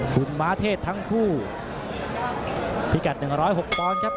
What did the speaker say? คุณม้าเทศทั้งคู่พิกัด๑๐๖ปอนด์ครับ